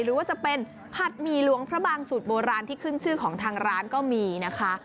หรือว่าจะเป็นผัดหมี่หลวงพระบางสูตรโบราณที่ขึ้นชื่อของทางร้านก็มีนะคะ